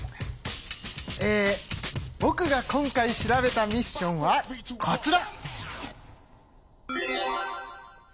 えぼくが今回調べたミッションはこちら！